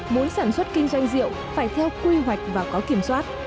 muốn sản xuất kinh doanh rượu phải theo quy hoạch và có kiểm soát